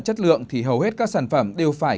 chất lượng thì hầu hết các sản phẩm đều phải